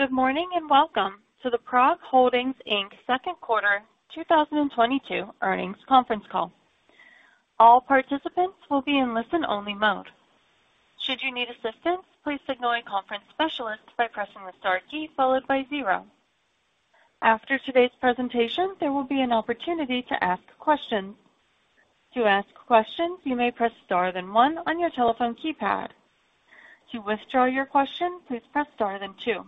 Good morning, and welcome to the PROG Holdings, Inc. second quarter 2022 earnings conference call. All participants will be in listen-only mode. Should you need assistance, please signal a conference specialist by pressing the star key followed by zero. After today's presentation, there will be an opportunity to ask questions. To ask questions, you may press star then one on your telephone keypad. To withdraw your question, please press star then two.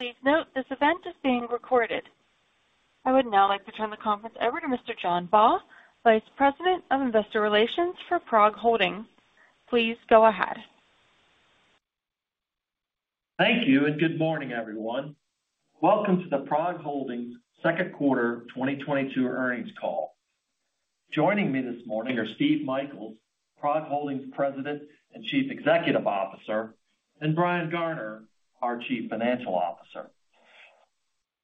Please note this event is being recorded. I would now like to turn the conference over to Mr. John Baugh, Vice President of Investor Relations for PROG Holdings. Please go ahead. Thank you, and good morning, everyone. Welcome to the PROG Holdings second quarter 2022 earnings call. Joining me this morning are Steve Michaels, PROG Holdings President and Chief Executive Officer, and Brian Garner, our Chief Financial Officer.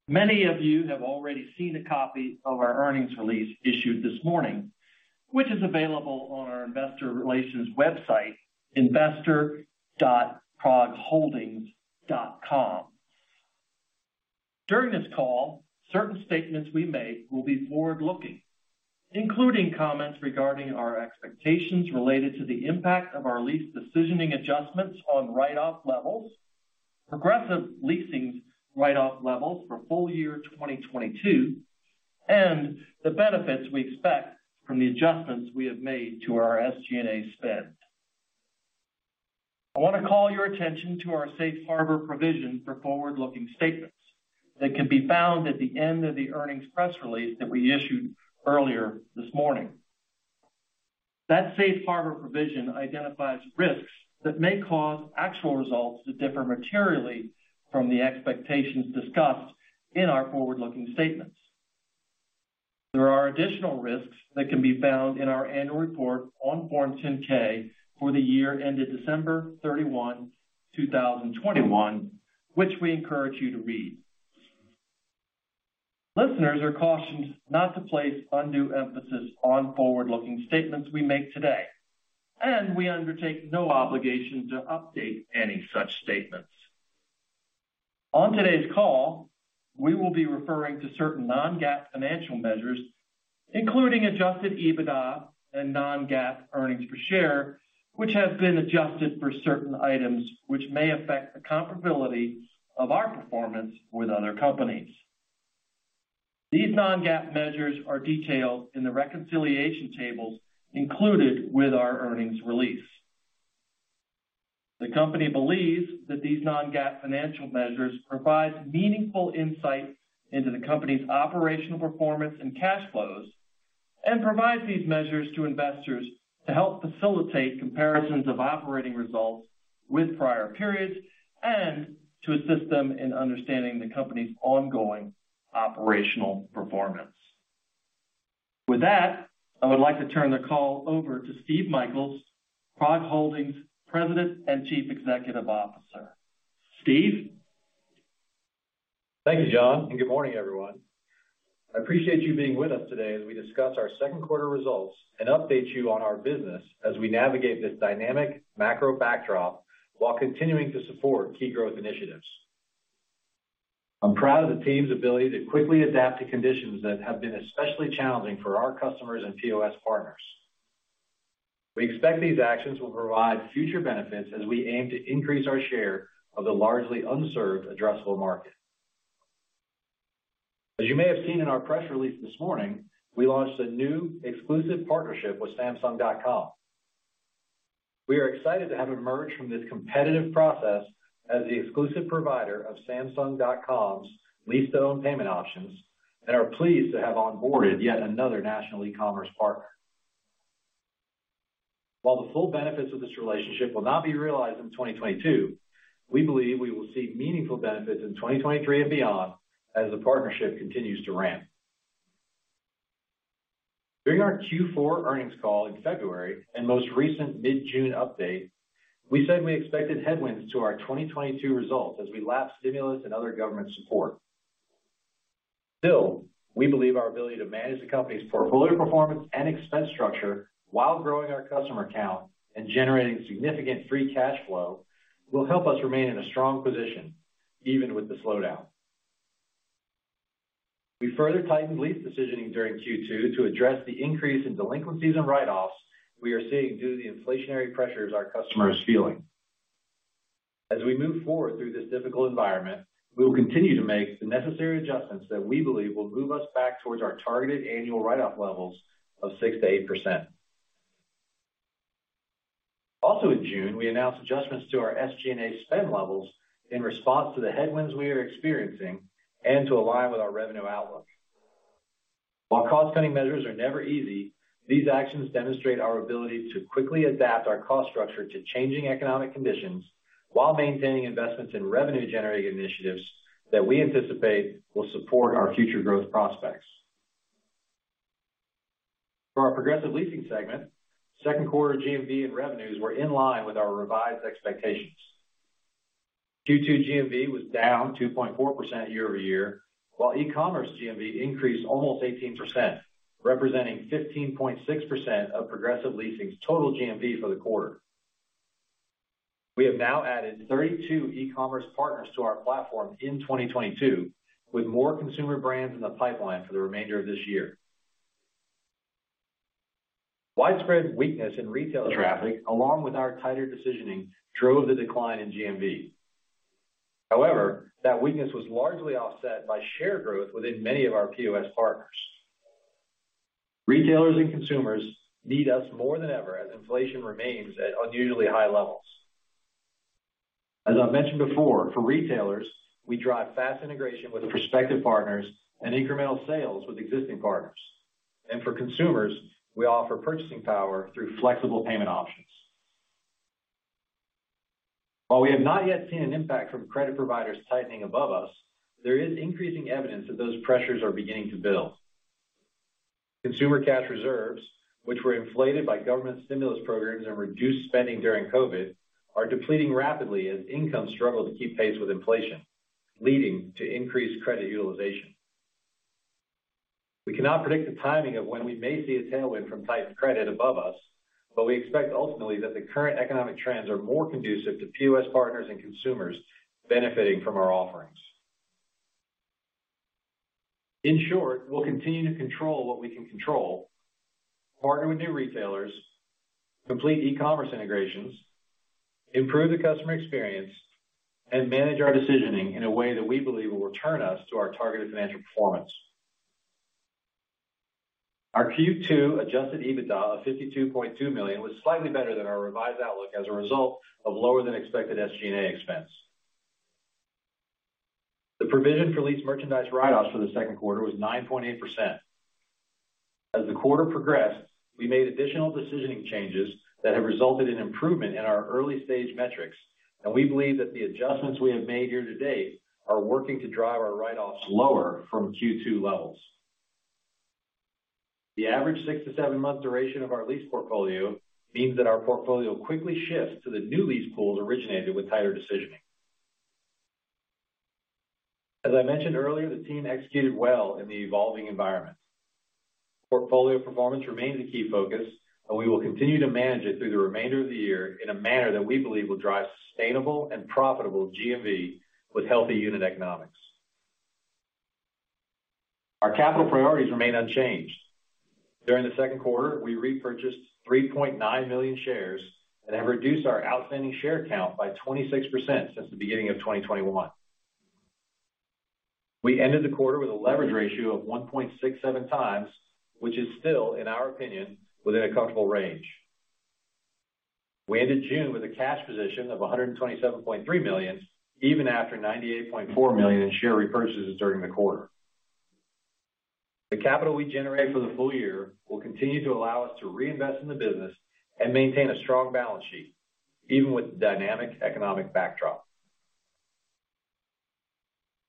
Many of you have already seen a copy of our earnings release issued this morning, which is available on our investor relations website, investor.progholdings.com. During this call, certain statements we make will be forward-looking, including comments regarding our expectations related to the impact of our lease decisioning adjustments on write-off levels, Progressive Leasing write-off levels for full year 2022, and the benefits we expect from the adjustments we have made to our SG&A spend. I wanna call your attention to our safe harbor provision for forward-looking statements that can be found at the end of the earnings press release that we issued earlier this morning. That safe harbor provision identifies risks that may cause actual results to differ materially from the expectations discussed in our forward-looking statements. There are additional risks that can be found in our annual report on Form 10-K for the year ended December 31, 2021, which we encourage you to read. Listeners are cautioned not to place undue emphasis on forward-looking statements we make today, and we undertake no obligation to update any such statements. On today's call, we will be referring to certain non-GAAP financial measures, including adjusted EBITDA and non-GAAP earnings per share, which have been adjusted for certain items which may affect the comparability of our performance with other companies. These non-GAAP measures are detailed in the reconciliation tables included with our earnings release. The company believes that these non-GAAP financial measures provide meaningful insight into the company's operational performance and cash flows and provides these measures to investors to help facilitate comparisons of operating results with prior periods and to assist them in understanding the company's ongoing operational performance. With that, I would like to turn the call over to Steve Michaels, PROG Holdings President and Chief Executive Officer. Steve? Thank you, John, and good morning, everyone. I appreciate you being with us today as we discuss our second quarter results and update you on our business as we navigate this dynamic macro backdrop while continuing to support key growth initiatives. I'm proud of the team's ability to quickly adapt to conditions that have been especially challenging for our customers and POS partners. We expect these actions will provide future benefits as we aim to increase our share of the largely unserved addressable market. As you may have seen in our press release this morning, we launched a new exclusive partnership with Samsung.com. We are excited to have emerged from this competitive process as the exclusive provider of Samsung.com's lease-to-own payment options and are pleased to have onboarded yet another national e-commerce partner. While the full benefits of this relationship will not be realized in 2022, we believe we will see meaningful benefits in 2023 and beyond as the partnership continues to ramp. During our Q4 earnings call in February and most recent mid-June update, we said we expected headwinds to our 2022 results as we lap stimulus and other government support. Still, we believe our ability to manage the company's portfolio performance and expense structure while growing our customer count and generating significant free cash flow will help us remain in a strong position even with the slowdown. We further tightened lease decisioning during Q2 to address the increase in delinquencies and write-offs we are seeing due to the inflationary pressures our customers are feeling. As we move forward through this difficult environment, we will continue to make the necessary adjustments that we believe will move us back towards our targeted annual write-off levels of 6%-8%. Also in June, we announced adjustments to our SG&A spend levels in response to the headwinds we are experiencing and to align with our revenue outlook. While cost-cutting measures are never easy, these actions demonstrate our ability to quickly adapt our cost structure to changing economic conditions while maintaining investments in revenue-generating initiatives that we anticipate will support our future growth prospects. For our Progressive Leasing segment, second quarter GMV and revenues were in line with our revised expectations. Q2 GMV was down 2.4% year-over-year, while e-commerce GMV increased almost 18%. Representing 15.6% of Progressive Leasing's total GMV for the quarter. We have now added 32 e-commerce partners to our platform in 2022, with more consumer brands in the pipeline for the remainder of this year. Widespread weakness in retailer traffic, along with our tighter decisioning, drove the decline in GMV. However, that weakness was largely offset by share growth within many of our POS partners. Retailers and consumers need us more than ever as inflation remains at unusually high levels. As I've mentioned before, for retailers, we drive fast integration with prospective partners and incremental sales with existing partners. For consumers, we offer purchasing power through flexible payment options. While we have not yet seen an impact from credit providers tightening above us, there is increasing evidence that those pressures are beginning to build. Consumer cash reserves, which were inflated by government stimulus programs and reduced spending during COVID, are depleting rapidly as incomes struggle to keep pace with inflation, leading to increased credit utilization. We cannot predict the timing of when we may see a tailwind from tight credit above us, but we expect ultimately that the current economic trends are more conducive to POS partners and consumers benefiting from our offerings. In short, we'll continue to control what we can control, partner with new retailers, complete e-commerce integrations, improve the customer experience, and manage our decisioning in a way that we believe will return us to our targeted financial performance. Our Q2 adjusted EBITDA of $52.2 million was slightly better than our revised outlook as a result of lower than expected SG&A expense. The provision for leased merchandise write-offs for the second quarter was 9.8%. As the quarter progressed, we made additional decisioning changes that have resulted in improvement in our early-stage metrics, and we believe that the adjustments we have made year-to-date are working to drive our write-offs lower from Q2 levels. The average six-to-seven-month duration of our lease portfolio means that our portfolio quickly shifts to the new lease pools originated with tighter decisioning. As I mentioned earlier, the team executed well in the evolving environment. Portfolio performance remains a key focus, and we will continue to manage it through the remainder of the year in a manner that we believe will drive sustainable and profitable GMV with healthy unit economics. Our capital priorities remain unchanged. During the second quarter, we repurchased 3.9 million shares and have reduced our outstanding share count by 26% since the beginning of 2021. We ended the quarter with a leverage ratio of 1.67x, which is still, in our opinion, within a comfortable range. We ended June with a cash position of $127.3 million, even after $98.4 million in share repurchases during the quarter. The capital we generate for the full year will continue to allow us to reinvest in the business and maintain a strong balance sheet, even with the dynamic economic backdrop.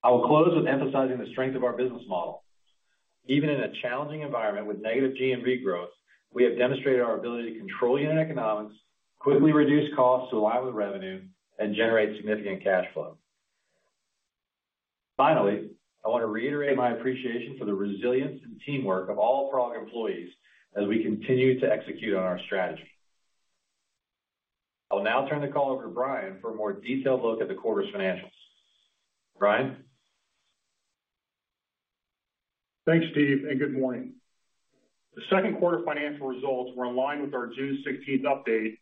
I will close with emphasizing the strength of our business model. Even in a challenging environment with negative GMV growth, we have demonstrated our ability to control unit economics, quickly reduce costs to align with revenue, and generate significant cash flow. Finally, I want to reiterate my appreciation for the resilience and teamwork of all PROG employees as we continue to execute on our strategy. I will now turn the call over to Brian for a more detailed look at the quarter's financials. Brian? Thanks, Steve, and good morning. The second quarter financial results were in line with our June 16th update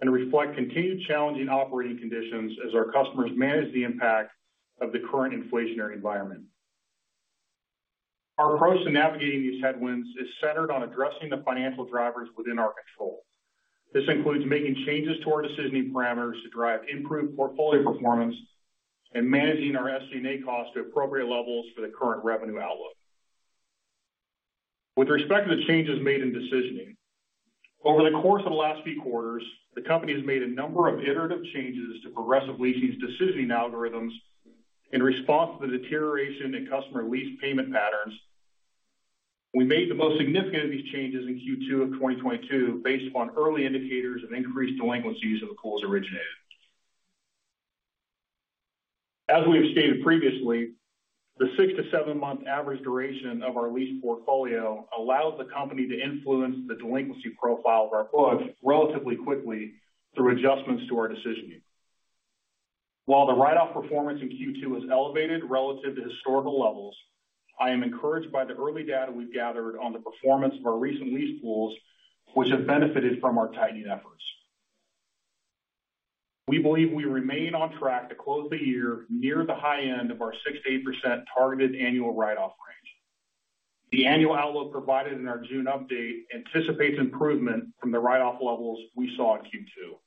and reflect continued challenging operating conditions as our customers manage the impact of the current inflationary environment. Our approach to navigating these headwinds is centered on addressing the financial drivers within our control. This includes making changes to our decisioning parameters to drive improved portfolio performance and managing our SG&A costs to appropriate levels for the current revenue outlook. With respect to the changes made in decisioning, over the course of the last few quarters, the company has made a number of iterative changes to Progressive Leasing's decisioning algorithms in response to the deterioration in customer lease payment patterns. We made the most significant of these changes in Q2 of 2022 based upon early indicators of increased delinquencies of the pools originated. As we have stated previously, the six-to-seven-month average duration of our lease portfolio allows the company to influence the delinquency profile of our books relatively quickly through adjustments to our decisioning. While the write-off performance in Q2 is elevated relative to historical levels, I am encouraged by the early data we've gathered on the performance of our recent lease pools, which have benefited from our tightening efforts. We believe we remain on track to close the year near the high end of our 6%-8% targeted annual write-off range. The annual outlook provided in our June update anticipates improvement from the write-off levels we saw in Q2.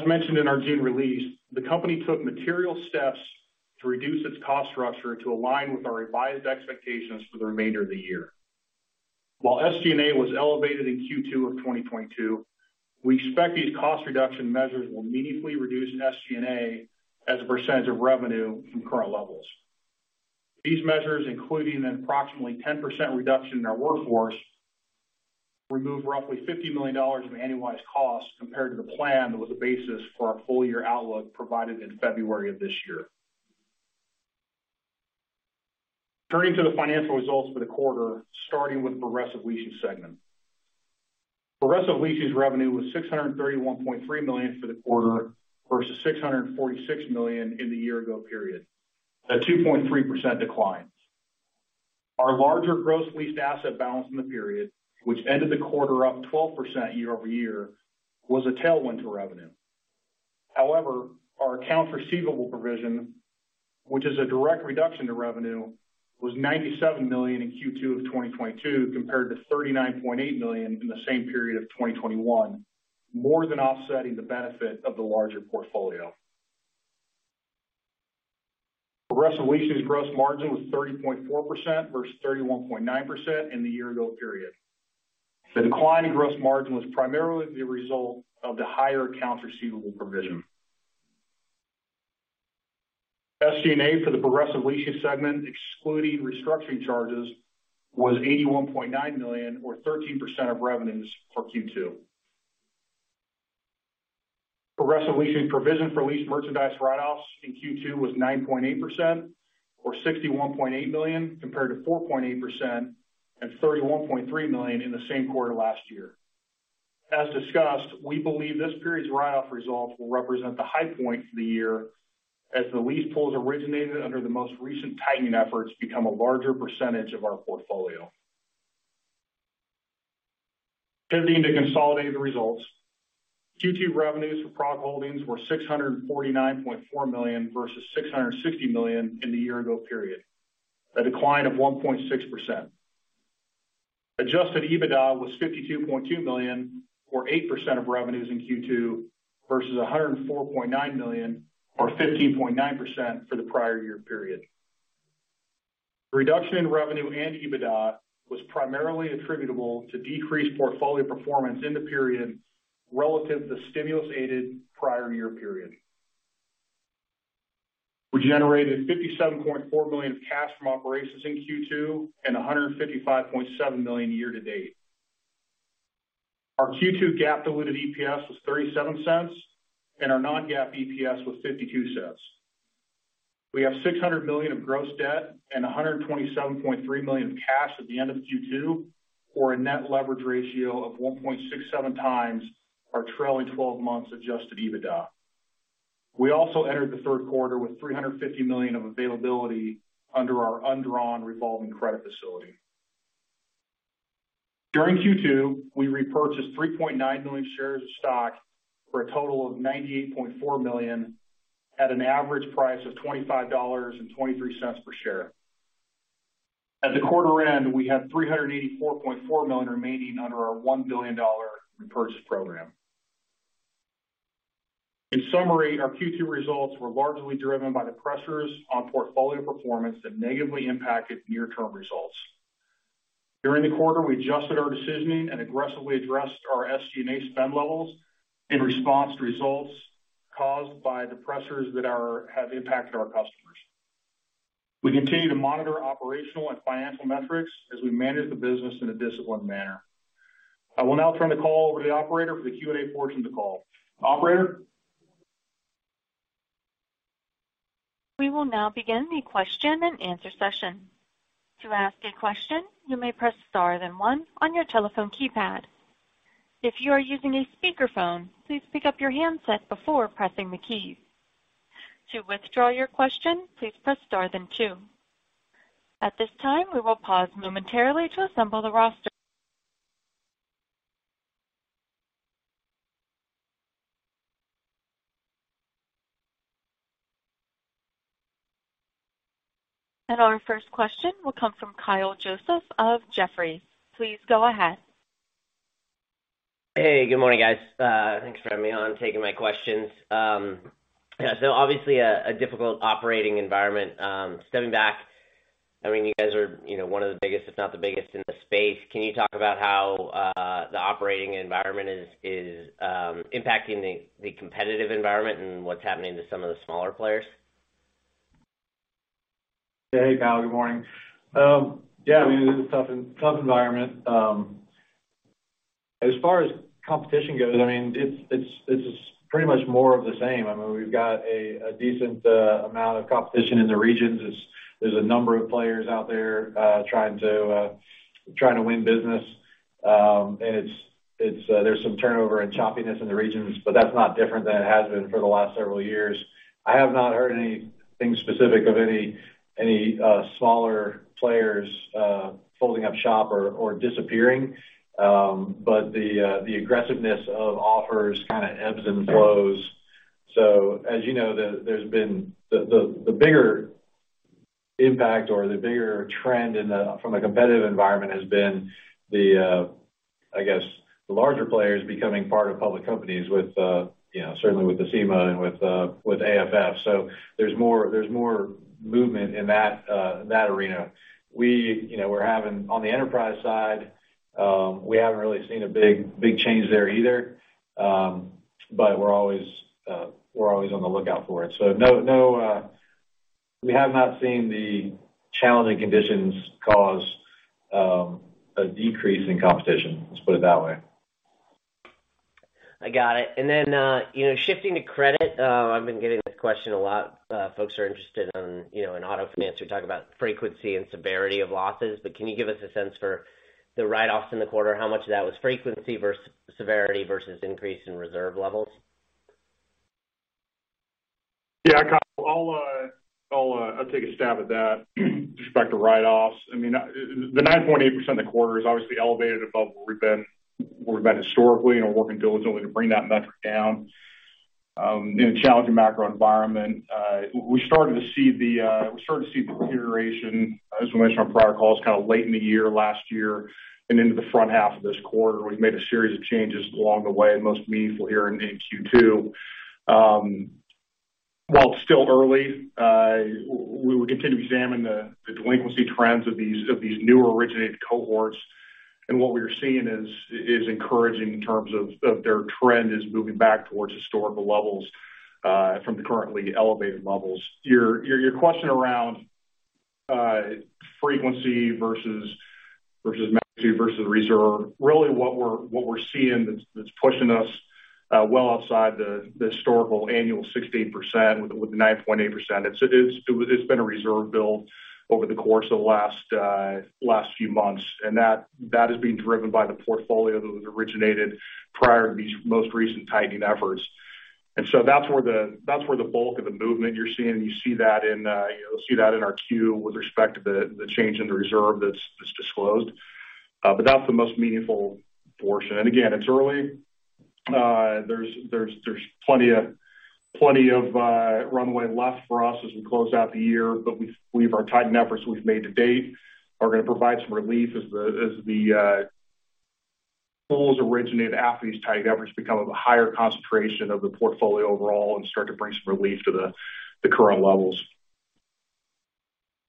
As mentioned in our June release, the company took material steps to reduce its cost structure to align with our revised expectations for the remainder of the year. While SG&A was elevated in Q2 of 2022, we expect these cost reduction measures will meaningfully reduce in SG&A as a percentage of revenue from current levels. These measures, including an approximately 10% reduction in our workforce, roughly $50 million of annualized costs compared to the plan that was the basis for our full year outlook provided in February of this year. Turning to the financial results for the quarter, starting with Progressive Leasing segment. Progressive Leasing's revenue was $631.3 million for the quarter versus $646 million in the year ago period, a 2.3% decline. Our larger gross leased asset balance in the period, which ended the quarter up 12% year-over-year, was a tailwind to revenue. However, our accounts receivable provision, which is a direct reduction to revenue, was $97 million in Q2 of 2022 compared to $39.8 million in the same period of 2021, more than offsetting the benefit of the larger portfolio. Progressive Leasing's gross margin was 30.4% versus 31.9% in the year ago period. The decline in gross margin was primarily the result of the higher accounts receivable provision. SG&A for the Progressive Leasing segment, excluding restructuring charges, was $81.9 million or 13% of revenues for Q2. Progressive Leasing provision for leased merchandise write-offs in Q2 was 9.8% or $61.8 million compared to 4.8% and $31.3 million in the same quarter last year. As discussed, we believe this period's write-off results will represent the high point for the year as the lease pools originated under the most recent tightening efforts become a larger percentage of our portfolio. Turning to consolidated results. Q2 revenues for PROG Holdings were $649.4 million versus $660 million in the year ago period, a decline of 1.6%. Adjusted EBITDA was $52.2 million or 8% of revenues in Q2 versus $104.9 million or 15.9% for the prior year period. The reduction in revenue and EBITDA was primarily attributable to decreased portfolio performance in the period relative to the stimulus-aided prior year period. We generated $57.4 million of cash from operations in Q2 and $155.7 million year to date. Our Q2 GAAP diluted EPS was $0.37, and our non-GAAP EPS was $0.52. We have $600 million of gross debt and $127.3 million of cash at the end of Q2, for a net leverage ratio of 1.67x our trailing twelve months adjusted EBITDA. We also entered the third quarter with $350 million of availability under our undrawn revolving credit facility. During Q2, we repurchased 3.9 million shares of stock for a total of $98.4 million at an average price of $25.23 per share. At the quarter end, we had $384.4 million remaining under our $1 billion repurchase program. In summary, our Q2 results were largely driven by the pressures on portfolio performance that negatively impacted near-term results. During the quarter, we adjusted our decisioning and aggressively addressed our SG&A spend levels in response to results caused by the pressures that have impacted our customers. We continue to monitor operational and financial metrics as we manage the business in a disciplined manner. I will now turn the call over to the operator for the Q&A portion of the call. Operator? We will now begin the question-and-answer session. To ask a question, you may press star then one on your telephone keypad. If you are using a speakerphone, please pick up your handset before pressing the key. To withdraw your question, please press star then two. At this time, we will pause momentarily to assemble the roster. Our first question will come from Kyle Joseph of Jefferies. Please go ahead. Hey, good morning, guys. Thanks for having me on, taking my questions. Yeah, obviously a difficult operating environment. Stepping back, I mean, you guys are, you know, one of the biggest, if not the biggest in the space. Can you talk about how the operating environment is impacting the competitive environment and what's happening to some of the smaller players? Hey, Kyle. Good morning. Yeah, I mean, it's a tough environment. As far as competition goes, I mean, it's pretty much more of the same. I mean, we've got a decent amount of competition in the regions. There's a number of players out there trying to win business. There's some turnover and choppiness in the regions, but that's not different than it has been for the last several years. I have not heard anything specific of any smaller players folding up shop or disappearing. The aggressiveness of offers kind of ebbs and flows. As you know, there's been the bigger impact or the bigger trend in the competitive environment has been the larger players becoming part of public companies, you know, certainly with Acima and with AFF. There's more movement in that arena. On the enterprise side, we haven't really seen a big change there either. We're always on the lookout for it so no, we have not seen the challenging conditions cause a decrease in competition, let's put it that way. I got it. You know, shifting to credit, I've been getting this question a lot. Folks are interested in auto finance, we talk about frequency and severity of losses. Can you give us a sense for the write-offs in the quarter? How much of that was frequency versus severity versus increase in reserve levels? Yeah, Kyle, I'll take a stab at that. With respect to write-offs, I mean, the 9.8% in the quarter is obviously elevated above where we've been historically, and we're working diligently to bring that metric down. In a challenging macro environment, we started to see the deterioration, as we mentioned on prior calls, kind of late in the year, last year, and into the front half of this quarter. We've made a series of changes along the way, most meaningful here in Q2. While it's still early, we will continue to examine the delinquency trends of these new originated cohorts. What we are seeing is encouraging in terms of their trend moving back towards historical levels from the currently elevated levels. Your question around frequency versus reserve. Really what we're seeing that's pushing us well outside the historical annual 68% with the 9.8%, it's been a reserve build over the course of the last few months. That is being driven by the portfolio that was originated prior to these most recent tightening efforts. That's where the bulk of the movement you're seeing. You see that in our Q with respect to the change in the reserve that's disclosed. But that's the most meaningful portion. Again, it's early. There's plenty of runway left for us as we close out the year. Our tightened efforts we've made to date are going to provide some relief as the pools originate after these tightened efforts become a higher concentration of the portfolio overall and start to bring some relief to the current levels.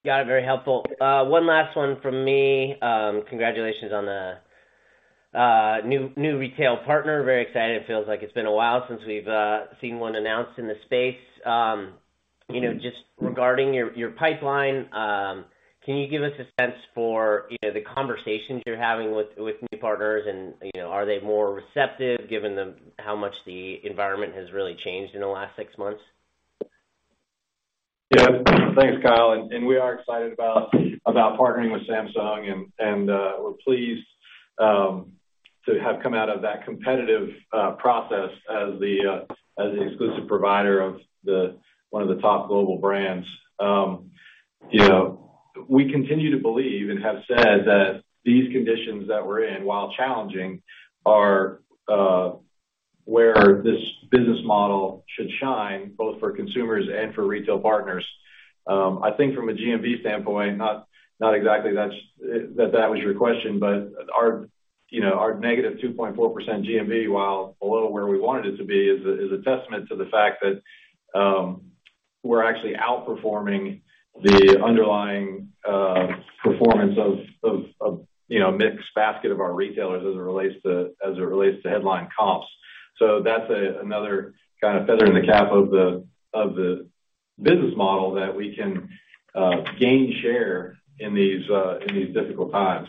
Got it. Very helpful. One last one from me. Congratulations on the new retail partner. Very excited. It feels like it's been a while since we've seen one announced in the space. You know, just regarding your pipeline, can you give us a sense for the conversations you're having with new partners and, you know, are they more receptive given how much the environment has really changed in the last six months? Yeah. Thanks, Kyle. We are excited about partnering with Samsung. We're pleased to have come out of that competitive process as the exclusive provider of one of the top global brands. You know, we continue to believe and have said that these conditions that we're in, while challenging, are where this business model should shine, both for consumers and for retail partners. I think from a GMV standpoint, not exactly that was your question, but our, you know, our -2.4% GMV, while below where we wanted it to be, is a testament to the fact that we're actually outperforming the underlying performance of you know mixed basket of our retailers as it relates to headline comps. That's another kind of feather in the cap of the business model that we can gain share in these difficult times.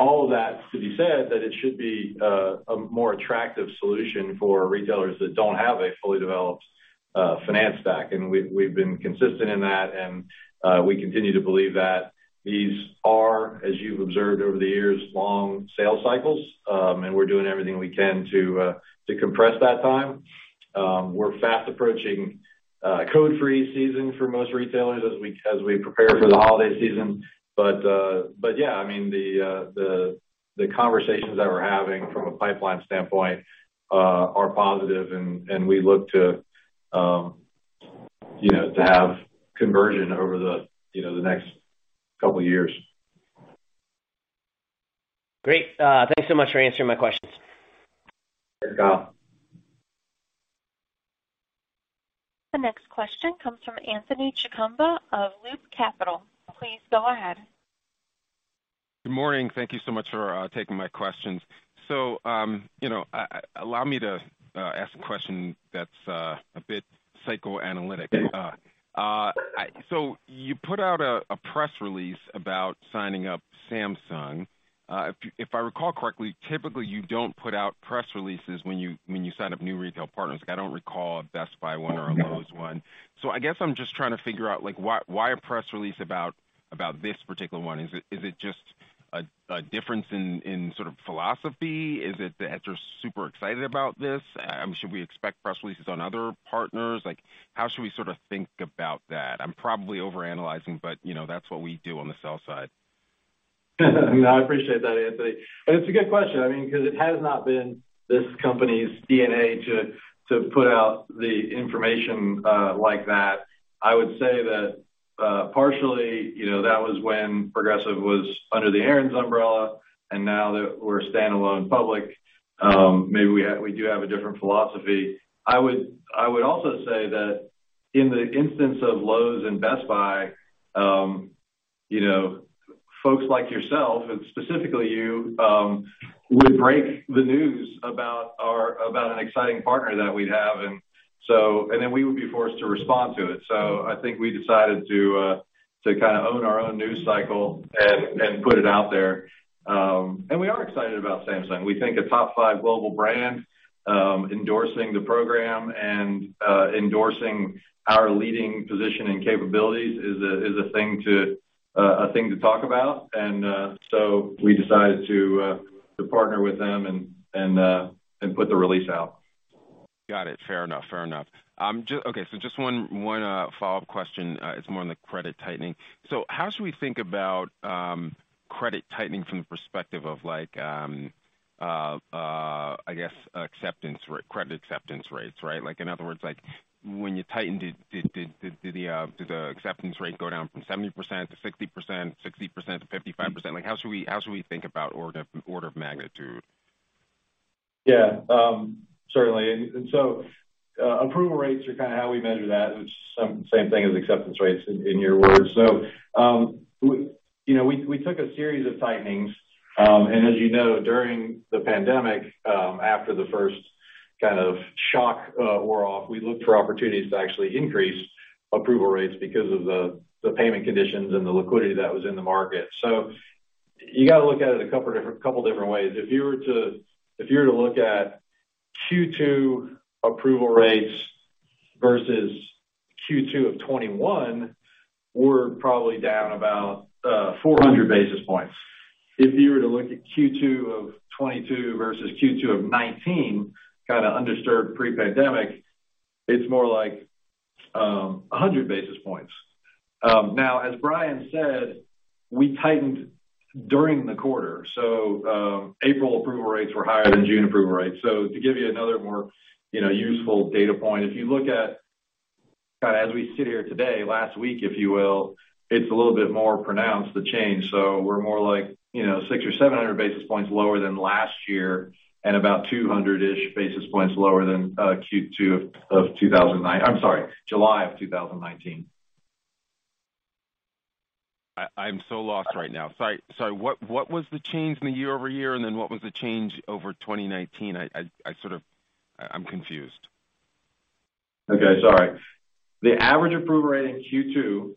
All of that to be said that it should be a more attractive solution for retailers that don't have a fully developed finance stack. We've been consistent in that, and we continue to believe that these are, as you've observed over the years, long sales cycles. We're doing everything we can to compress that time. We're fast approaching code freeze season for most retailers as we prepare for the holiday season. Yeah, I mean, the conversations that we're having from a pipeline standpoint are positive and we look to you know to have conversion over the you know the next couple years. Great. Thanks so much for answering my questions. Thank you, Kyle. The next question comes from Anthony Chukumba of Loop Capital. Please go ahead. Good morning. Thank you so much for taking my questions. You know, allow me to ask a question that's a bit psychoanalytic. You put out a press release about signing up Samsung. If I recall correctly, typically, you don't put out press releases when you sign up new retail partners. Like, I don't recall a Best Buy one or a Lowe's one. I guess I'm just trying to figure out, like, why a press release about this particular one? Is it just a difference in sort of philosophy? Is it that you're super excited about this? Should we expect press releases on other partners? Like, how should we sort of think about that? I'm probably overanalyzing, but, you know, that's what we do on the sell side. No, I appreciate that, Anthony. It's a good question, I mean, because it has not been this company's DNA to put out the information like that. I would say that partially, you know, that was when Progressive was under the Aaron's umbrella, and now that we're a standalone public, maybe we do have a different philosophy. I would also say that in the instance of Lowe's and Best Buy, you know, folks like yourself and specifically you would break the news about an exciting partner that we'd have and then we would be forced to respond to it. I think we decided to kind of own our own news cycle and put it out there. And we are excited about Samsung. We think a top five global brand endorsing the program and endorsing our leading position and capabilities is a thing to talk about. So we decided to partner with them and put the release out. Got it. Fair enough. Okay, just one follow-up question. It's more on the credit tightening. How should we think about credit tightening from the perspective of like, I guess acceptance rate, credit acceptance rates, right? Like, in other words, like when you tightened, did the acceptance rate go down from 70% to 60%, 60% to 55%? Like, how should we think about order of magnitude? Yeah. Certainly. Approval rates are kind of how we measure that. It's the same thing as acceptance rates in your words. You know, we took a series of tightenings, and as you know, during the pandemic, after the first kind of shock wore off, we looked for opportunities to actually increase approval rates because of the payment conditions and the liquidity that was in the market. You got to look at it a couple different ways. If you were to look at Q2 approval rates versus Q2 of 2021, we're probably down about 400 basis points. If you were to look at Q2 of 2022 versus Q2 of 2019, kind of undisturbed pre-pandemic, it's more like 100 basis points. Now, as Brian said, we tightened during the quarter, so April approval rates were higher than June approval rates. To give you another more, you know, useful data point, if you look at kind of as we sit here today, last week, if you will, it's a little bit more pronounced, the change. We're more like, you know, 600 or 700 basis points lower than last year and about 200-ish basis points lower than Q2 of 2019. I'm sorry, July 2019. I'm so lost right now. Sorry. What was the change in the year-over-year and then what was the change over 2019? I'm sort of confused. Okay. Sorry. The average approval rate in Q2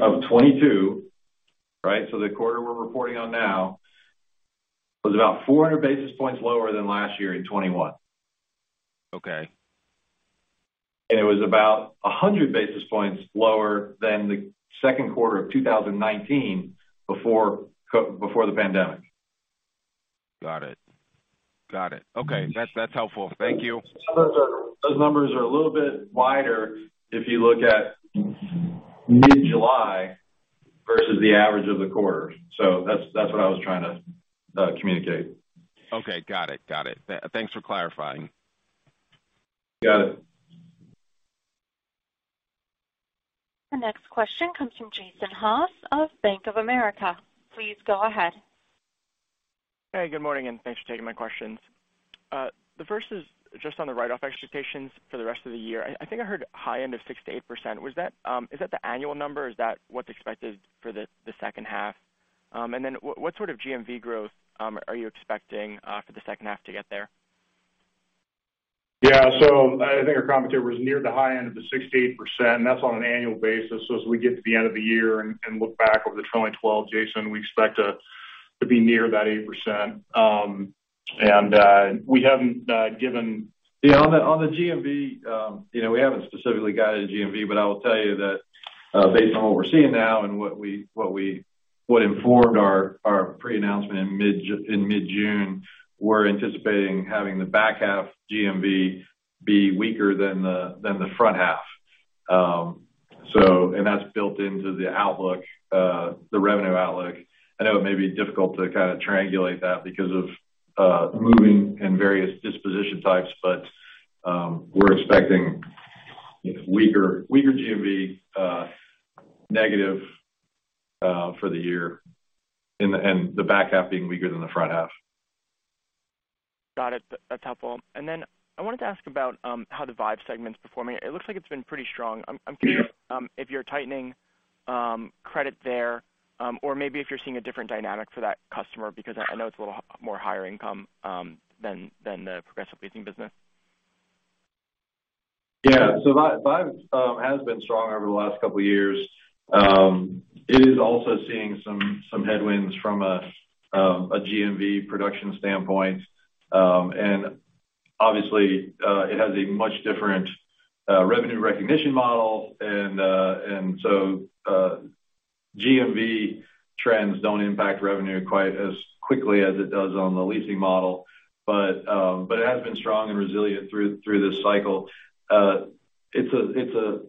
of 2022, right? The quarter we're reporting on now was about 400 basis points lower than last year in 2021. Okay. It was about 100 basis points lower than the second quarter of 2019 before the pandemic. Got it. Okay, that's helpful. Thank you. Those numbers are a little bit wider if you look at mid-July versus the average of the quarter. That's what I was trying to communicate. Okay, got it. Thanks for clarifying. Got it. The next question comes from Jason Haas of Bank of America. Please go ahead. Hey, good morning, and thanks for taking my questions. The first is just on the write-off expectations for the rest of the year. I think I heard high end of 6%-8%. Was that, is that the annual number? Is that what's expected for the second half? And then what sort of GMV growth are you expecting for the second half to get there? Yeah. I think our commentary was near the high end of the 6%-8%, and that's on an annual basis. As we get to the end of the year and look back over the trailing 12, Jason, we expect to be near that 8%. We haven't given. You know, on the GMV, you know, we haven't specifically guided the GMV, but I will tell you that, based on what we're seeing now and what informed our pre-announcement in mid-June, we're anticipating having the back half GMV be weaker than the front half. That's built into the outlook, the revenue outlook. I know it may be difficult to kind of triangulate that because of moving in various disposition types, but we're expecting weaker GMV, negative, for the year and the back half being weaker than the front half. Got it. That's helpful. Then I wanted to ask about how the Vive segment's performing. It looks like it's been pretty strong. I'm curious if you're tightening credit there or maybe if you're seeing a different dynamic for that customer because I know it's a little more higher income than the Progressive Leasing business. Yeah. Vive's has been strong over the last couple years. It is also seeing some headwinds from a GMV production standpoint. It has a much different revenue recognition model and GMV trends don't impact revenue quite as quickly as it does on the leasing model. It has been strong and resilient through this cycle. It's a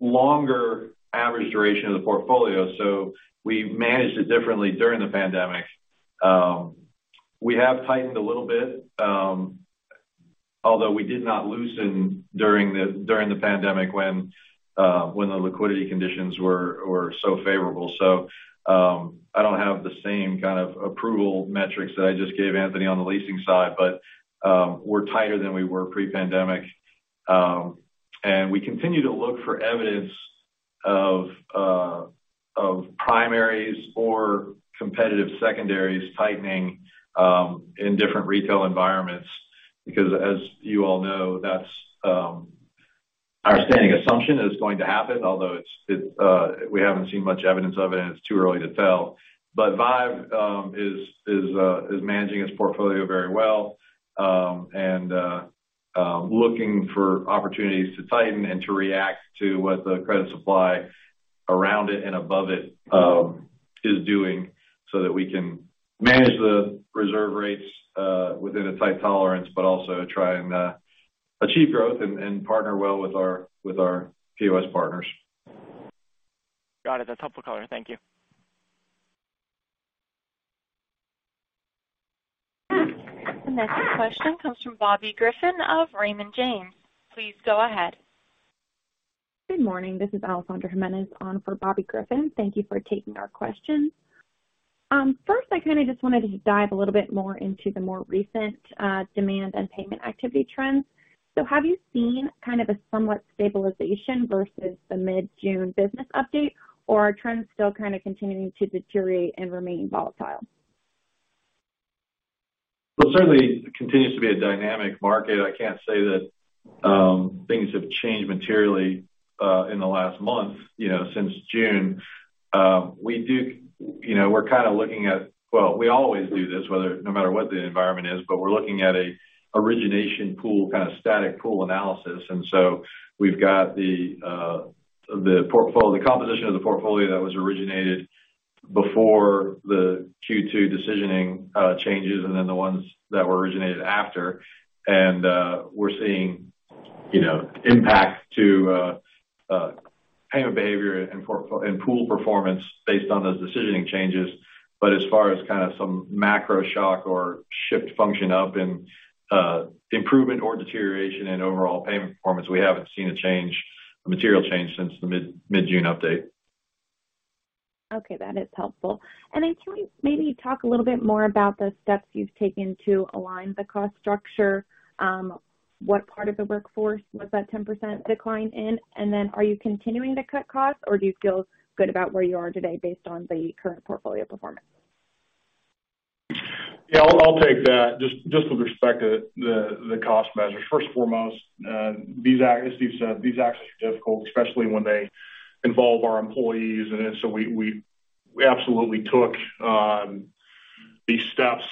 longer average duration of the portfolio, so we managed it differently during the pandemic. We have tightened a little bit, although we did not loosen during the pandemic when the liquidity conditions were so favorable. I don't have the same kind of approval metrics that I just gave Anthony on the leasing side, but we're tighter than we were pre-pandemic. We continue to look for evidence of primaries or competitive secondaries tightening in different retail environments because as you all know, that's our standing assumption is going to happen, although we haven't seen much evidence of it, and it's too early to tell. Vive is managing its portfolio very well, and looking for opportunities to tighten and to react to what the credit supply around it and above it is doing so that we can manage the reserve rates within a tight tolerance, but also try and achieve growth and partner well with our POS partners. Got it. That's helpful color. Thank you. The next question comes from Bobby Griffin of Raymond James. Please go ahead. Good morning. This is Alessandra Jimenez on for Bobby Griffin. Thank you for taking our questions. First, I kind of just wanted to dive a little bit more into the more recent demand and payment activity trends. Have you seen kind of a somewhat stabilization versus the mid-June business update, or are trends still kind of continuing to deteriorate and remain volatile? Well, it certainly continues to be a dynamic market. I can't say that things have changed materially in the last month, you know, since June. We're kind of looking at an origination pool, kind of static pool analysis. We always do this no matter what the environment is, but we're looking at the composition of the portfolio that was originated before the Q2 decisioning changes and then the ones that were originated after. We're seeing, you know, impact to payment behavior and pool performance based on those decisioning changes. As far as kind of some macro shock or shift function up and improvement or deterioration in overall payment performance, we haven't seen a change, a material change since the mid-June update. Okay. That is helpful. Can we maybe talk a little bit more about the steps you've taken to align the cost structure? What part of the workforce was that 10% decline in? Are you continuing to cut costs, or do you feel good about where you are today based on the current portfolio performance? Yeah, I'll take that. Just with respect to the cost measures. First and foremost, these actions are difficult, especially when they involve our employees. We absolutely took these steps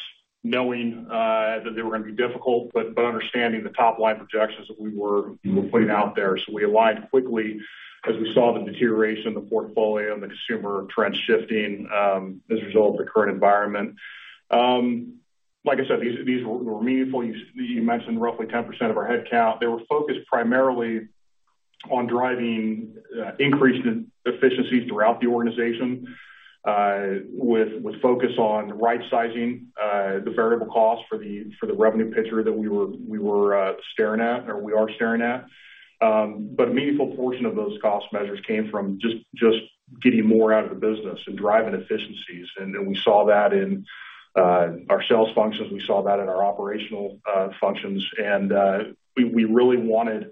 knowing that they were going to be difficult, but by understanding the top-line projections that we were putting out there. We aligned quickly as we saw the deterioration in the portfolio and the consumer trends shifting as a result of the current environment. Like I said, these were meaningful. You mentioned roughly 10% of our headcount. They were focused primarily on driving increased efficiencies throughout the organization with focus on right-sizing the variable costs for the revenue picture that we were staring at or we are staring at. A meaningful portion of those cost measures came from just getting more out of the business and driving efficiencies. We saw that in our sales functions. We saw that in our operational functions. We really wanted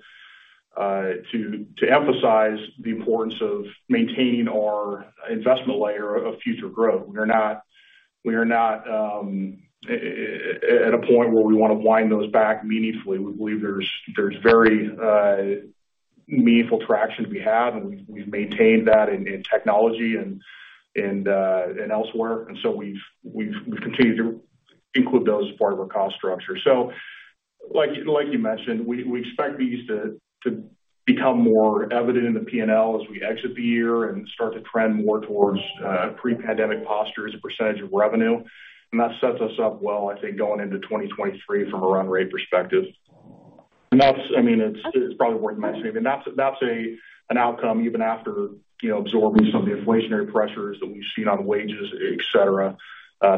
to emphasize the importance of maintaining our investment layer of future growth. We are not at a point where we want to wind those back meaningfully. We believe there's very meaningful traction we have, and we've maintained that in technology and elsewhere. We've continued to include those as part of our cost structure. Like you mentioned, we expect these to become more evident in the P&L as we exit the year and start to trend more towards pre-pandemic posture as a percentage of revenue. That sets us up well, I think, going into 2023 from a run rate perspective. That's, I mean, it's probably worth mentioning. I mean, that's an outcome even after, you know, absorbing some of the inflationary pressures that we've seen on wages, et cetera,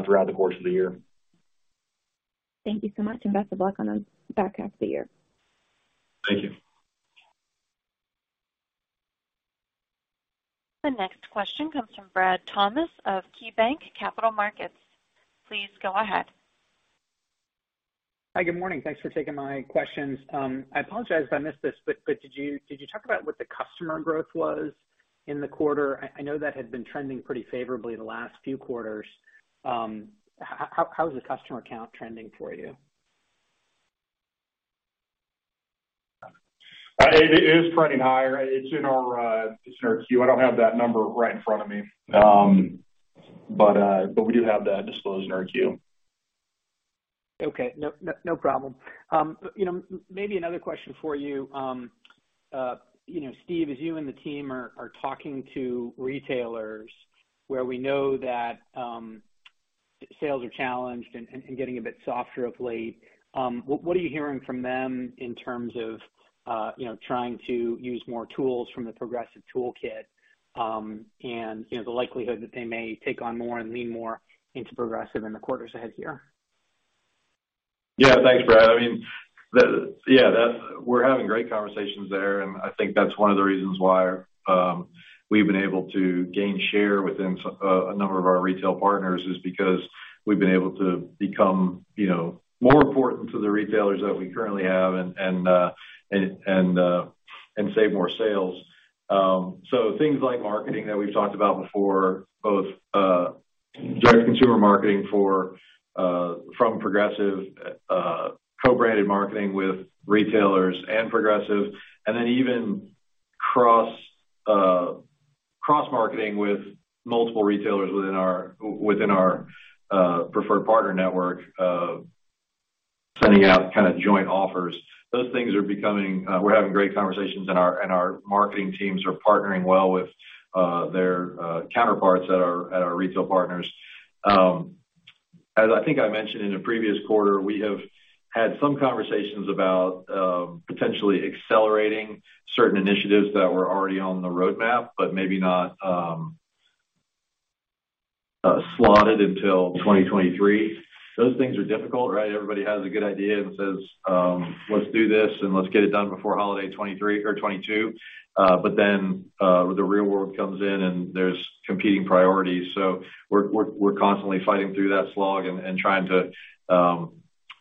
throughout the course of the year. Thank you so much, and best of luck on the back half of the year. Thank you. The next question comes from Brad Thomas of KeyBanc Capital Markets. Please go ahead. Hi. Good morning. Thanks for taking my questions. I apologize if I missed this, but did you talk about what the customer growth was in the quarter? I know that had been trending pretty favorably the last few quarters. How is the customer count trending for you? It is trending higher. It's in our Q. I don't have that number right in front of me. We do have that disclosed in our Q. Okay. No problem. You know, maybe another question for you. You know, Steve, as you and the team are talking to retailers where we know that sales are challenged and getting a bit softer of late, what are you hearing from them in terms of you know, trying to use more tools from the Progressive toolkit, and you know, the likelihood that they may take on more and lean more into Progressive in the quarters ahead here? Yeah. Thanks, Brad. I mean, we're having great conversations there, and I think that's one of the reasons why we've been able to gain share within a number of our retail partners, is because we've been able to become, you know, more important to the retailers that we currently have and save more sales. Things like marketing that we've talked about before, both direct consumer marketing from Progressive, co-branded marketing with retailers and Progressive, and then even cross-marketing with multiple retailers within our preferred partner network, sending out kinda joint offers. Those things are becoming. We're having great conversations and our marketing teams are partnering well with their counterparts at our retail partners. As I think I mentioned in a previous quarter, we have had some conversations about potentially accelerating certain initiatives that were already on the roadmap, but maybe not slotted until 2023. Those things are difficult, right? Everybody has a good idea that says, "Let's do this, and let's get it done before holiday 2023 or 2022." Then, the real world comes in and there's competing priorities. We're constantly fighting through that slog and trying to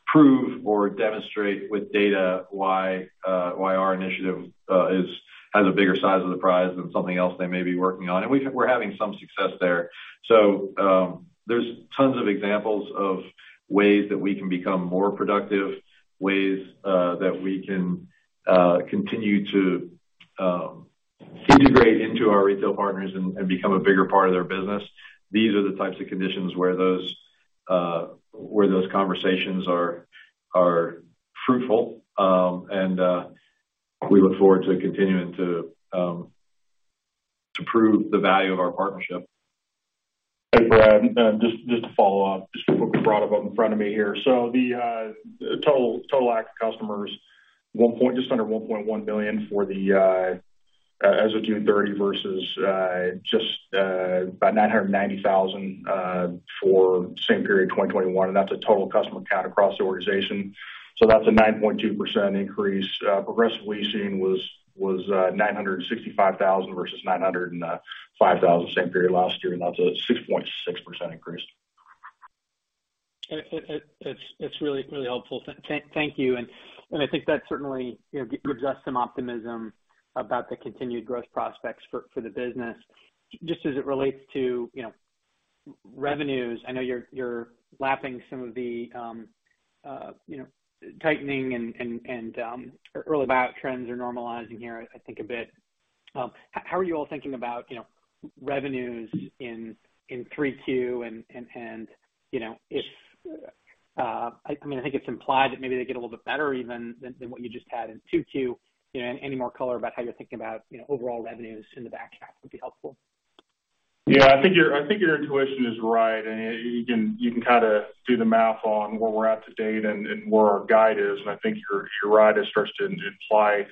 prove or demonstrate with data why our initiative has a bigger size of the prize than something else they may be working on. We're having some success there. There's tons of examples of ways that we can become more productive, ways that we can continue to integrate into our retail partners and become a bigger part of their business. These are the types of conditions where those conversations are fruitful. We look forward to continuing to prove the value of our partnership. Hey, Brad, just to follow up, just what was brought up in front of me here. The total active customers, just under 1.1 billion as of June 30 versus just about 990,000 for the same period, 2021, and that's a total customer count across the organization. That's a 9.2% increase. Progressive Leasing was 965,000 versus 905,000 same period last year, and that's a 6.6% increase. It's really helpful. Thank you. I think that certainly, you know, gives us some optimism about the continued growth prospects for the business. Just as it relates to, you know, revenues, I know you're lapping some of the, you know, tightening and early buyout trends are normalizing here, I think a bit. How are you all thinking about, you know, revenues in 3Q? I mean, I think it's implied that maybe they get a little bit better even than what you just had in 2Q. You know, any more color about how you're thinking about, you know, overall revenues in the back half would be helpful. Yeah. I think your intuition is right, and you can kinda do the math on where we're at to date and where our guide is. I think you're right. It starts to imply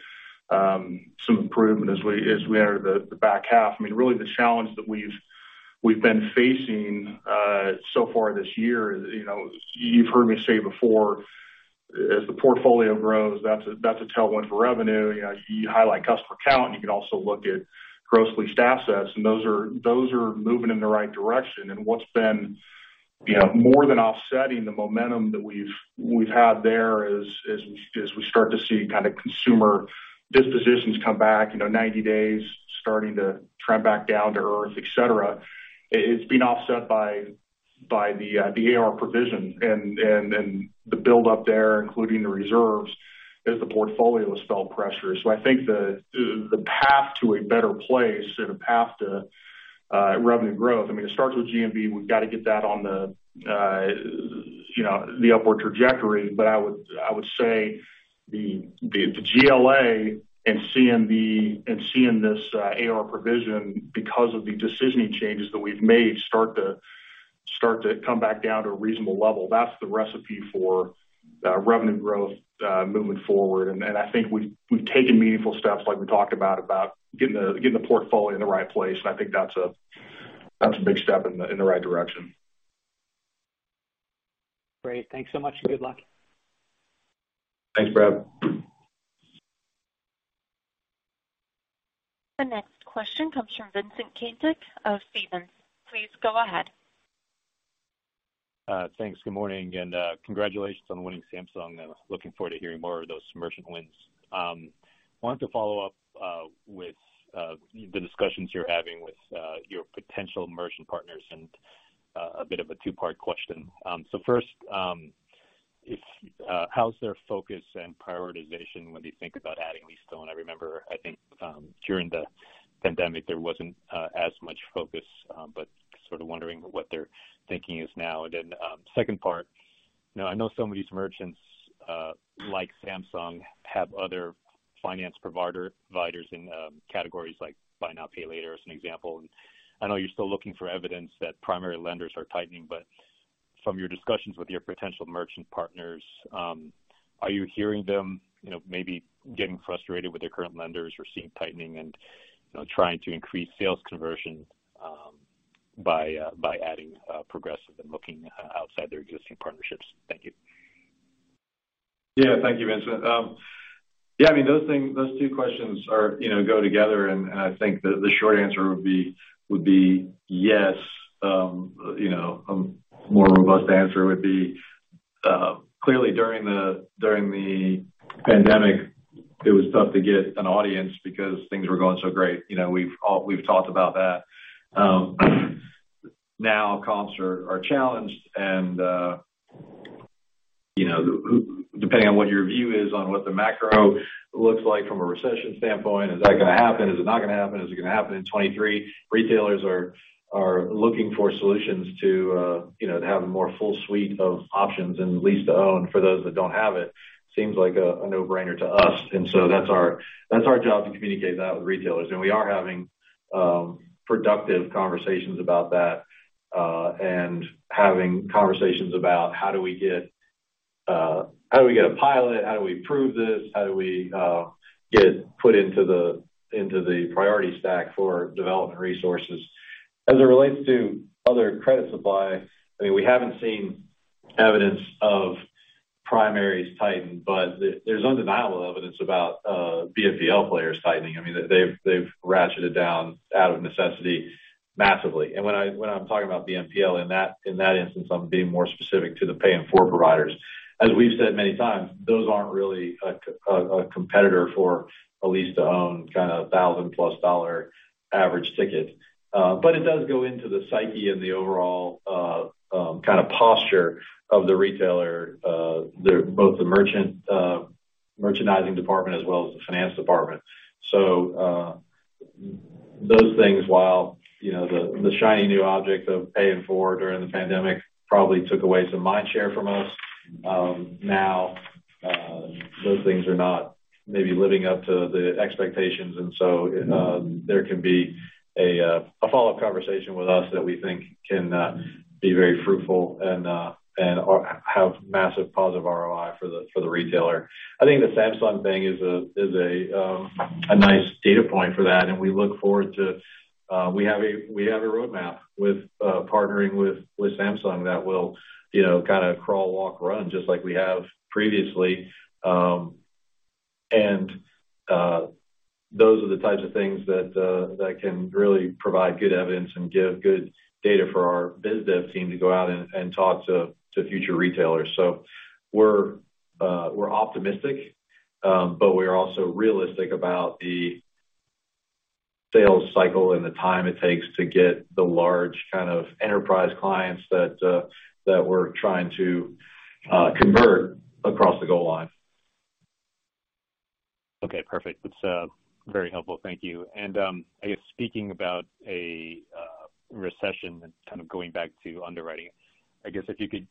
some improvement as we enter the back half. I mean, really the challenge that we've been facing so far this year, you know, you've heard me say before, as the portfolio grows, that's a tailwind for revenue. You know, you highlight customer count, and you can also look at gross leased assets, and those are moving in the right direction. What's been, you know, more than offsetting the momentum that we've had there as we start to see kinda consumer dispositions come back, you know, 90 days starting to trend back down to Earth, et cetera, it's being offset by the AR provision and the buildup there, including the reserves, as the portfolio has felt pressure. I think the path to a better place and a path to revenue growth, I mean, it starts with GMV. We've gotta get that on the upward trajectory. I would say the GLA and seeing this AR provision because of the decisioning changes that we've made start to come back down to a reasonable level. That's the recipe for revenue growth moving forward. I think we've taken meaningful steps like we talked about getting the portfolio in the right place, and I think that's a big step in the right direction. Great. Thanks so much, and good luck. Thanks, Brad. The next question comes from Vincent Caintic of Stephens. Please go ahead. Thanks. Good morning, and congratulations on winning Samsung. I was looking forward to hearing more of those merchant wins. Wanted to follow up with the discussions you're having with your potential merchant partners and a bit of a two-part question. First, how's their focus and prioritization when they think about adding lease to own? I remember, I think, during the pandemic, there wasn't as much focus, but sort of wondering what their thinking is now. Second part, now I know some of these merchants, like Samsung, have other finance providers in categories like buy now, pay later as an example. I know you're still looking for evidence that primary lenders are tightening, but from your discussions with your potential merchant partners, are you hearing them, you know, maybe getting frustrated with their current lenders or seeing tightening and, you know, trying to increase sales conversion, by adding Progressive and looking outside their existing partnerships? Thank you. Yeah. Thank you, Vincent. Yeah, I mean, those two questions go together, and I think the short answer would be yes. You know, a more robust answer would be clearly during the pandemic, it was tough to get an audience because things were going so great. You know, we've all talked about that. Now comps are challenged and, you know, depending on what your view is on what the macro looks like from a recession standpoint, is that gonna happen? Is it not gonna happen? Is it gonna happen in 2023? Retailers are looking for solutions to, you know, to have a more full suite of options and lease-to-own for those that don't have it. Seems like a no-brainer to us. That's our job to communicate that with retailers. We are having productive conversations about that, and having conversations about how do we get a pilot? How do we prove this? How do we get put into the priority stack for development resources? As it relates to other credit supply, I mean, we haven't seen evidence of primaries tighten, but there's undeniable evidence about BNPL players tightening. I mean, they've ratcheted down out of necessity massively. When I'm talking about BNPL in that instance, I'm being more specific to the pay in full providers. As we've said many times, those aren't really a competitor for a lease-to-own kind of $1,000+ average ticket. It does go into the psyche and the overall kind of posture of the retailer, both the merchant merchandising department as well as the finance department. Those things, while you know the shiny new object of paying for during the pandemic probably took away some mind share from us, now those things are not maybe living up to the expectations. There can be a follow-up conversation with us that we think can be very fruitful and or have massive positive ROI for the retailer. I think the Samsung thing is a nice data point for that, and we look forward to. We have a roadmap with partnering with Samsung that will, you know, kind of crawl, walk, run, just like we have previously. Those are the types of things that can really provide good evidence and give good data for our biz dev team to go out and talk to future retailers. We're optimistic, but we're also realistic about the sales cycle and the time it takes to get the large kind of enterprise clients that we're trying to convert across the goal line. Okay, perfect. That's very helpful. Thank you. I guess speaking about a recession and kind of going back to underwriting, I guess if you could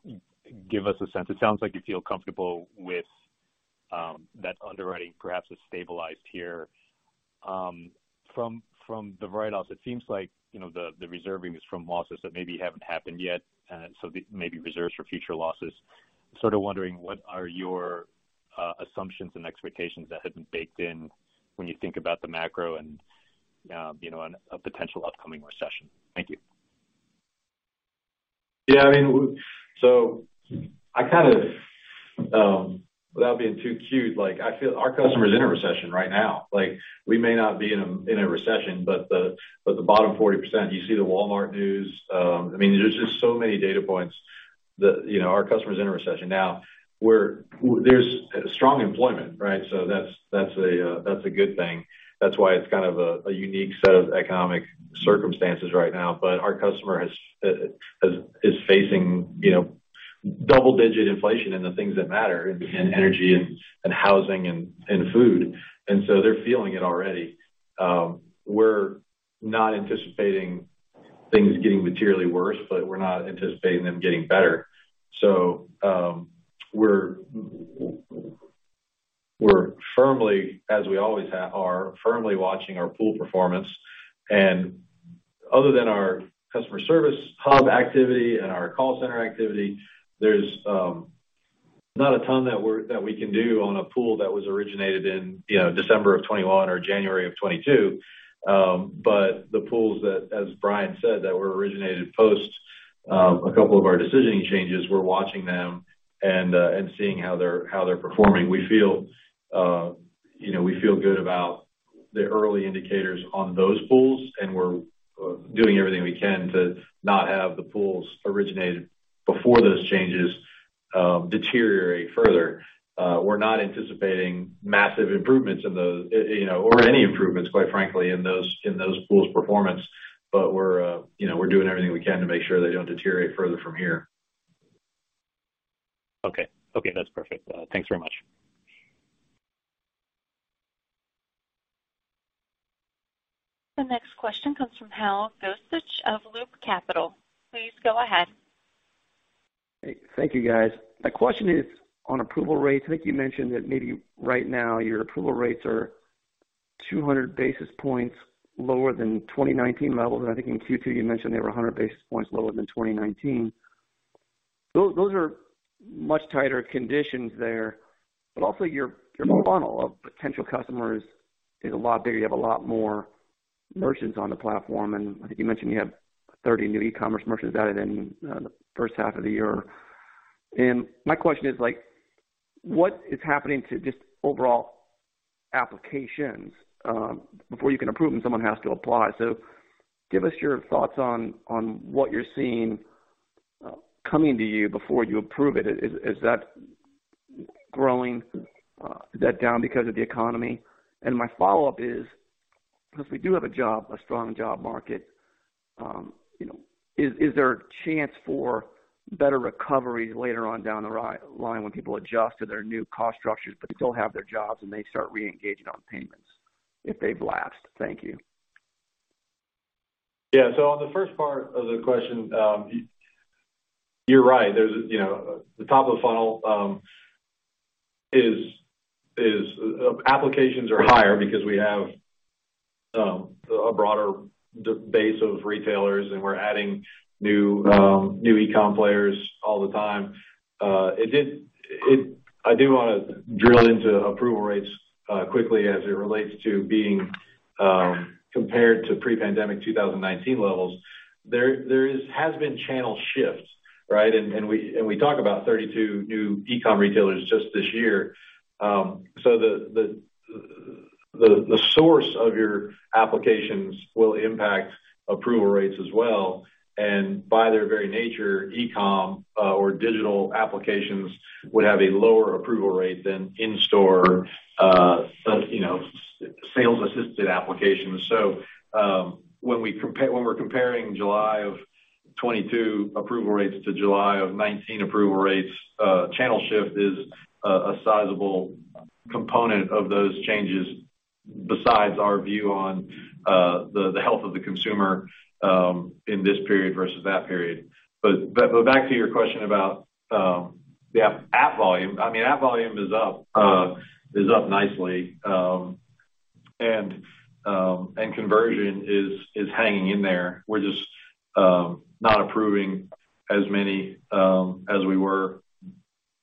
give us a sense. It sounds like you feel comfortable with that underwriting perhaps has stabilized here. From the write-offs, it seems like, you know, the reserving is from losses that maybe haven't happened yet, so maybe reserves for future losses. Sort of wondering what are your assumptions and expectations that have been baked in when you think about the macro and, you know, and a potential upcoming recession. Thank you. Yeah, I mean, so I kind of, without being too cute, like, I feel our customer is in a recession right now. Like, we may not be in a recession, but the bottom 40%. You see the Walmart news. I mean, there's just so many data points that, you know, our customer is in a recession. There's strong employment, right? That's a good thing. That's why it's kind of a unique set of economic circumstances right now. But our customer is facing, you know, double-digit inflation in the things that matter, in energy and housing and food. They're feeling it already. We're not anticipating things getting materially worse, but we're not anticipating them getting better. We're firmly, as we always are, firmly watching our pool performance. Other than our customer service hub activity and our call center activity, there's not a ton that we can do on a pool that was originated in, you know, December of 2021 or January of 2022. The pools that, as Brian said, that were originated post a couple of our decisioning changes, we're watching them and seeing how they're performing. We feel, you know, we feel good about the early indicators on those pools, and we're doing everything we can to not have the pools originated before those changes deteriorate further. We're not anticipating massive improvements in those, you know, or any improvements, quite frankly, in those pools' performance, but you know, we're doing everything we can to make sure they don't deteriorate further from here. Okay. Okay, that's perfect. Thanks very much. The next question comes from Anthony Chukumba of Loop Capital. Please go ahead. Hey. Thank you, guys. My question is on approval rates. I think you mentioned that maybe right now your approval rates are 200 basis points lower than 2019 levels. I think in Q2 you mentioned they were 100 basis points lower than 2019. Those are much tighter conditions there, but also your funnel of potential customers is a lot bigger. You have a lot more merchants on the platform, and I think you mentioned you have 30 new e-commerce merchants added in, the first half of the year. My question is like, what is happening to just overall applications? Before you can approve them, someone has to apply. Give us your thoughts on what you're seeing, coming to you before you approve it. Is that growing? Is that down because of the economy? My follow-up is, because we do have a job market, a strong job market, you know, is there a chance for better recovery later on down the road when people adjust to their new cost structures, but they still have their jobs and they start reengaging on payments if they've lapsed? Thank you. Yeah. On the first part of the question, you're right. There's, you know. The top of the funnel is applications are higher because we have a broader base of retailers, and we're adding new e-com players all the time. I do wanna drill into approval rates quickly as it relates to being compared to pre-pandemic 2019 levels. There has been channel shifts, right? And we talk about 32 new e-com retailers just this year. So the source of your applications will impact approval rates as well. By their very nature, e-com or digital applications would have a lower approval rate than in-store, you know, sales-assisted applications. When we're comparing July of 2022 approval rates to July of 2019 approval rates, channel shift is a sizable component of those changes besides our view on the health of the consumer in this period versus that period. Back to your question about the app volume. I mean, app volume is up nicely. And conversion is hanging in there. We're just not approving as many as we were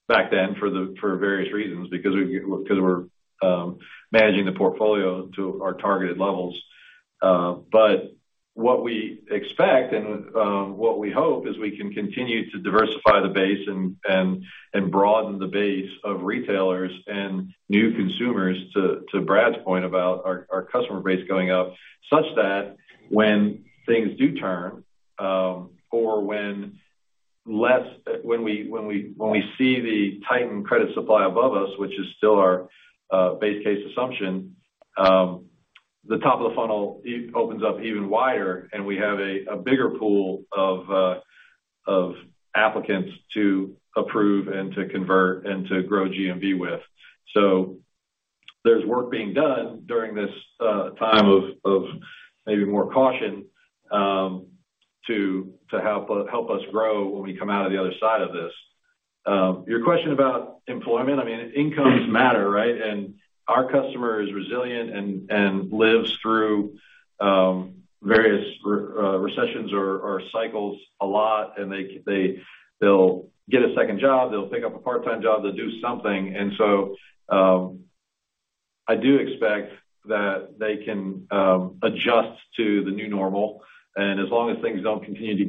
back then for various reasons, because we're managing the portfolio to our targeted levels. What we expect and what we hope is we can continue to diversify the base and broaden the base of retailers and new consumers, to Brad's point about our customer base going up, such that when things do turn or when we see the tightened credit supply above us, which is still our base case assumption, the top of the funnel opens up even wider, and we have a bigger pool of applicants to approve and to convert and to grow GMV with. There's work being done during this time of maybe more caution, to help us grow when we come out of the other side of this. Your question about employment. I mean, incomes matter, right? Our customer is resilient and lives through various recessions or cycles a lot. They'll get a second job, they'll pick up a part-time job, they'll do something. I do expect that they can adjust to the new normal. As long as things don't continue to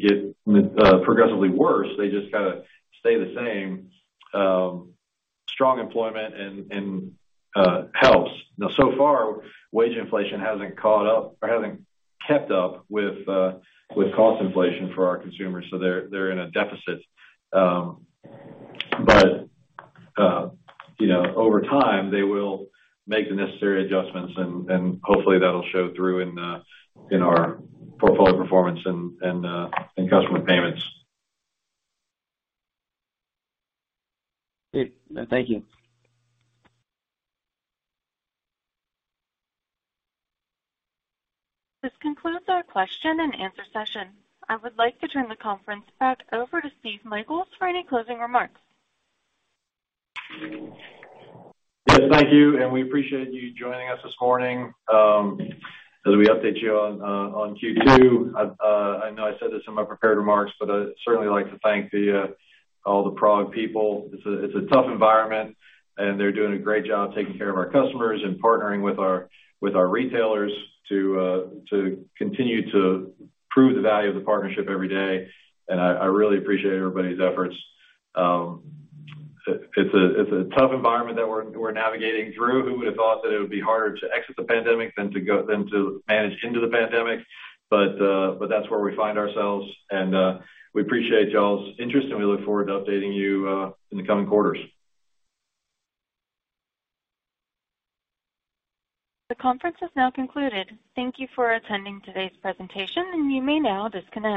get progressively worse, they just kinda stay the same, strong employment and helps. Now, so far, wage inflation hasn't caught up or hasn't kept up with cost inflation for our consumers, so they're in a deficit. You know, over time, they will make the necessary adjustments and hopefully that'll show through in our portfolio performance and customer payments. Great. Thank you. This concludes our question and answer session. I would like to turn the conference back over to Steve Michaels for any closing remarks. Yes, thank you, and we appreciate you joining us this morning, as we update you on Q2. I know I said this in my prepared remarks, but I'd certainly like to thank all the PROG people. It's a tough environment, and they're doing a great job taking care of our customers and partnering with our retailers to continue to prove the value of the partnership every day. I really appreciate everybody's efforts. It's a tough environment that we're navigating through. Who would have thought that it would be harder to exit the pandemic than to manage into the pandemic? That's where we find ourselves. We appreciate y'all's interest, and we look forward to updating you in the coming quarters. The conference has now concluded. Thank you for attending today's presentation, and you may now disconnect.